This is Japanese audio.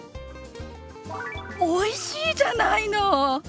おいしいじゃないの！